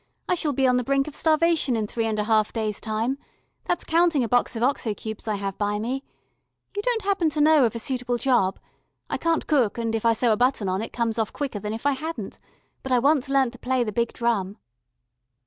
I shall be on the brink of starvation in three and a half days' time. That's counting a box of Oxo Cubes I have by me. You don't happen to know of a suitable job. I can't cook, and if I sew a button on it comes off quicker than if I hadn't. But I once learnt to play the big drum."